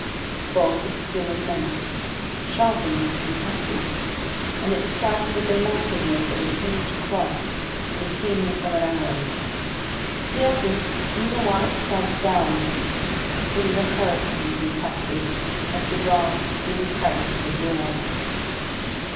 Its bulk is still immense, but sharpened and contracted; and it strikes with the massiveness of a huge club and the keenness of an arrow. It pierces even while it strikes down. It is a hurricane contracted, like the draught through the crevice of a door.